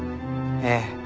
ええ。